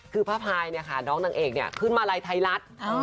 คือผ้าพายเนี่ยค่ะน้องนางเอกเนี่ยขึ้นมาลัยไทยรัฐ